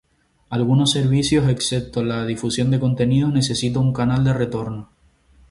Algunos servicios, excepto la difusión de contenidos, necesita un canal de retorno.